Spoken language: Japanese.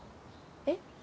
えっ？